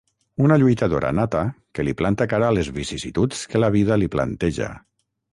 Una lluitadora nata que li planta cara a les vicissituds que la vida li planteja.